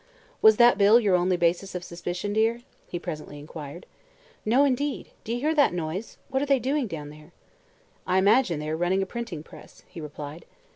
"Was that bill your only basis of suspicion, dear?" he presently inquired. "No, indeed. Do you hear that noise? What are they doing down there?" "I imagine they are running a printing press," he replied.